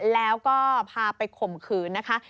แล้วก็พาไปข่มขืนนะคะ